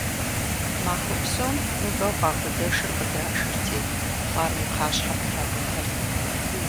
Махуэ псом мывэу къахудэшыр къыдашырти, лӀам и кхъащхьэм тракӀутэрт.